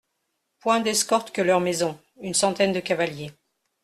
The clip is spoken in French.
Point d'escorte que leur maison, une centaine de cavaliers.